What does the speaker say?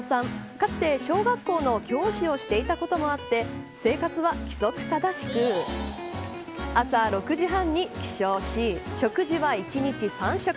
かつて小学校の教師をしていたこともあって生活は規則正しく朝６時半に起床し食事は１日３食。